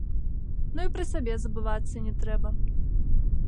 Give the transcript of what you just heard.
Ну і пра сабе забывацца не трэба.